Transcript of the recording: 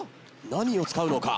何を使うのか？